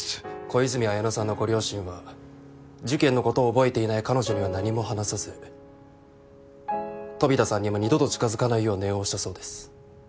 小泉文乃さんのご両親は事件のことを覚えていない彼女には何も話さず飛田さんにも二度と近づかないよう念を押したそうです。